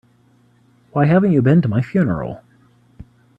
Why haven't you been to my funeral?